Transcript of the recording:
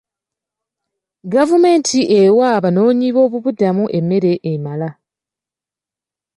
Gavumenti ewa abanoonyi b'obubudamu emmere emala.